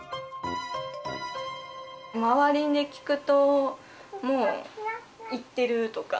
周りに聞くともう行ってるとか。